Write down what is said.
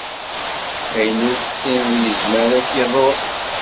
Ayen ur tessineḍ yezmer ad k-iḍurr.